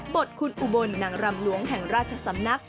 บทคุณอุบลนางรำหลวงแห่งราชสำนัก